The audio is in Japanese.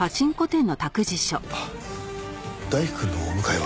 あっ大樹くんのお迎えは？